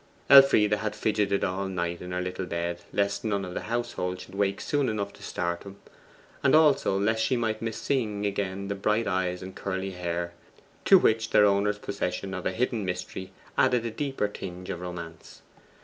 Elfride had fidgeted all night in her little bed lest none of the household should be awake soon enough to start him, and also lest she might miss seeing again the bright eyes and curly hair, to which their owner's possession of a hidden mystery added a deeper tinge of romance.